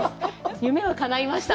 夢がかないました！